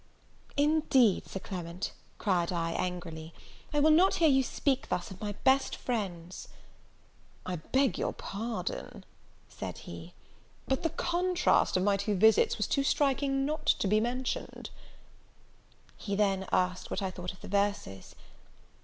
"Indeed, Sir Clement," cried I, angrily, "I will not hear you speak thus of my best friends." "I beg your pardon," said he, "but the contrast of my two visits was too striking not to be mentioned." He then asked what I thought of the verses?